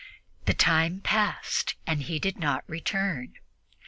The time passed, and he did not return.